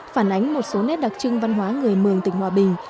phản ánh một số nét đặc trưng văn hóa người mường tỉnh hòa bình